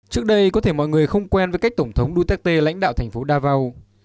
trước đây có thể mọi người không quen với cách tổng thống duterte lãnh đạo thành phố davao